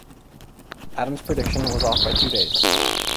Adams's prediction was off by two days.